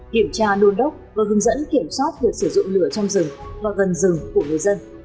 kiểm tra đôn đốc và hướng dẫn kiểm soát việc sử dụng lửa trong rừng và gần rừng của người dân